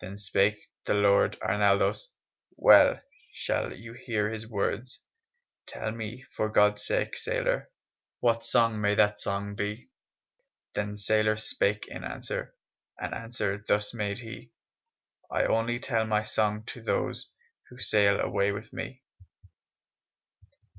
Then spake the Lord Arnaldos, (Well shall you hear his words!) "Tell me for God's sake, sailor, What song may that song be?" The sailor spake in answer, And answer thus made he; "I only tell my song to those Who sail away with me."